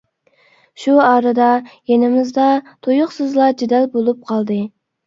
شۇ ئارىدا يېنىمىزدا تۇيۇقسىزلا جېدەل بولۇپ قالدى.